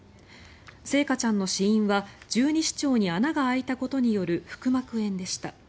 星華ちゃんの死因は十二指腸に穴が開いたことによる腹膜炎でした。